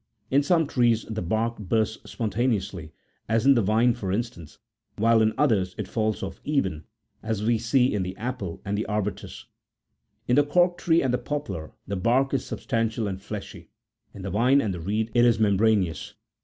In some trees the bark bursts spontaneously, as in the vine for instance, while in others it falls off even, as we see in the apple and the arbutus. In the cork tree and the poplar, the bark is substantial and fleshy ; in the vine and the reed it is membraneous.